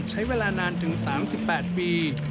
ใช้เวลานานถึง๓๘ปี